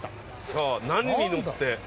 さあ何に乗って？